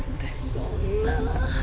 そんな。